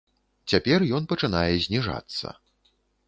Цяпер ён пачынае зніжацца.